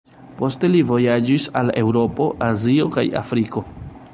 Poste li vojaĝis al Eŭropo, Azio kaj Afriko.